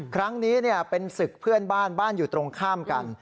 ครั้งนี้เป็นศึกเพื่อนบ้านบ้านอยู่ตรงข้ามกัน